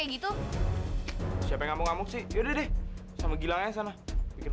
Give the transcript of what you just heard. gue nggak peduli sama duit